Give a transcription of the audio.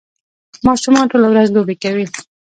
ماشومان ټوله ورځ لوبې کوي